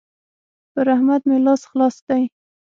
پر احمد مې لاس خلاص دی.